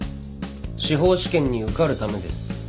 司法試験に受かるためです。